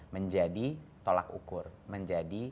menjadi tolak ukur menjadi